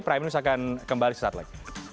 prime news akan kembali sesaat lagi